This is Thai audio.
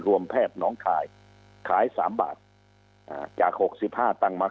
รวมแพทย์น้องคายขายสามบาทอ่าจากหกสิบห้าตังค์มา